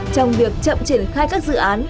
trong việc chậm triển khai các dự án